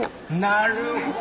なるほど！